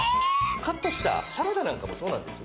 カットしたサラダなんかもそうなんですが。